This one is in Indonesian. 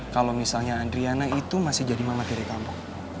kalau misalnya adriana itu masih jadi mama kiri kamu